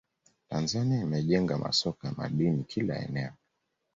Tanzania imejenga masoko ya madini kila eneo